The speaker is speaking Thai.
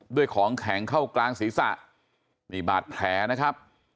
ด้วยของแข็งเข้ากลางศีรษะนี่บาดแผลนะครับ